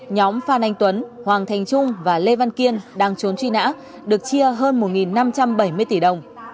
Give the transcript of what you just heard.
nhóm phan anh tuấn hoàng thành trung và lê văn kiên đang trốn truy nã được chia hơn một năm trăm bảy mươi tỷ đồng